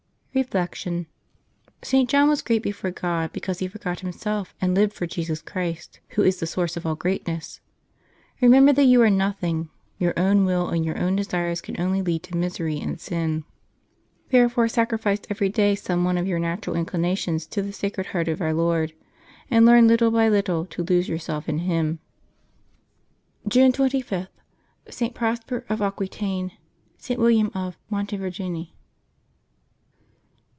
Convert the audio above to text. Reflection. — St. John was great before God because he forgot himself and lived for Jesus Christ, Who is the source of all greatness. Eemember that you are nothing; your own will and your own desires can only lead to misery and sin. Therefore sacrifice every day some one of your natural inclinations to the Sacred Heart of Our Lord, and learn little by little to lose yourself in Him. Junk 25] LIVES OF THE SAINTS 229 June 25— ST. PROSPER OF AQUITAINE.— ST. WILLIAM OF MONTE VERGINE.